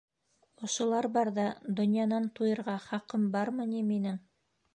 Ошолар барҙа донъянан туйырға хаҡым бармы ни минең?!